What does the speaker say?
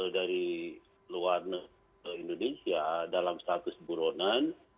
dari luar indonesia dalam status buronan